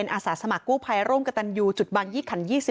อาสาสมัครกู้ภัยร่วมกับตันยูจุดบางยี่ขัน๒๐